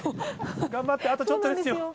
頑張って、あとちょっとですよ。